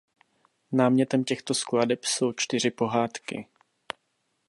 Námětem těchto skladeb jsou čtyři pohádky.